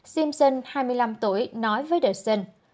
simpson hai mươi năm tuổi nói với the sun